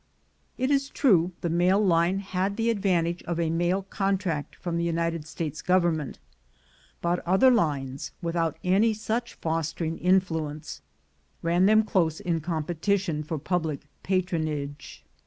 It is true the mail line had the advantage of a mail contract from the United States government; but other lines, without any such fostering influence, ran them close in com petition for public patronage.